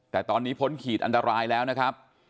แต่ตอนนี้พ้นขีดอันตรายแล้วนะครับ